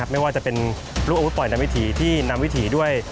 ไม่ว่าจะเป็นลูกอาวุธปล่อยในวิถีที่นำวิถีด้วย